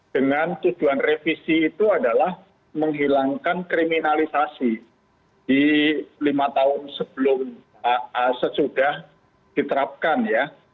dengan tuduhan revisi itu adalah menghilangkan kriminalisasi di lima tahun sebelum sesudah diterapkan ya